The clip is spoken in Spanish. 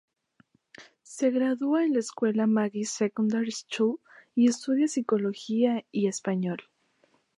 Se gradúa en la escuela Magee Secondary School y estudia psicología y español.